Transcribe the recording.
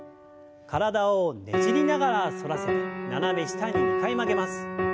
体をねじりながら反らせて斜め下に２回曲げます。